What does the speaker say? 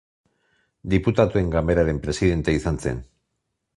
Diputatuen Ganberaren presidente izan zen.